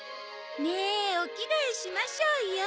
ねえお着替えしましょうよ。